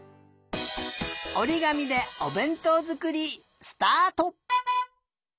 おりがみでおべんとうづくりスタート！